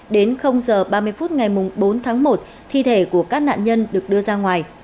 đến h ba mươi phút ngày bốn tháng một thi thể của các nạn nhân được đưa ra ngoài